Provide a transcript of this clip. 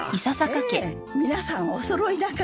ええ皆さんお揃いだから。